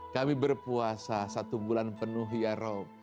kami berpuasa satu bulan penuh ya rab